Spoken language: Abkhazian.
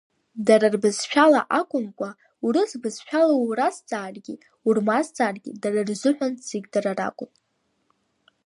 Дара рбызшәала акәымкәа, урыс бызшәала уразҵааргьы урмазҵааргьы дара рзыҳәан зегьы дараракәын.